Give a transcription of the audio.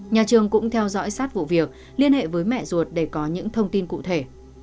nhà trường cũng theo dõi sát vụ việc liên hệ với mẹ ruột để có những thông tin cụ thể